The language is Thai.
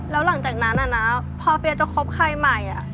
แล้วหลังจากนั้นพอเปียจะคบใครใหม่